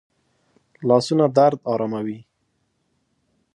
لاسونه درد آراموي